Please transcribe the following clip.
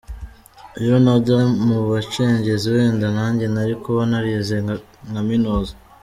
Iyo ntajya mu bacengezi wenda nanjye nari kuba narize nkaminuza.